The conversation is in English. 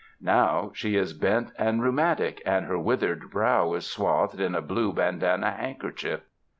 Now she is bent and rheumatic, and her withered brow is swathed in a blue bandanna handkerchief.